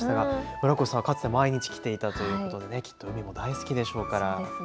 村越さん、かつて毎日来ていたということで大好きでしょうから。